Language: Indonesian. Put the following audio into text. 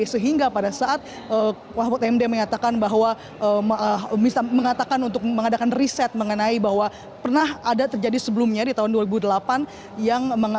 sehingga pada saat mahfud md mengatakan bahwa untuk mengadakan riset mengenai bahwa pernah ada terjadi sebelumnya di tahun dua ribu delapan